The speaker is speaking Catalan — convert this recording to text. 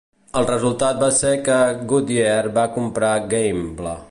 El resultat va ser que Goodyear va comprar Gamble.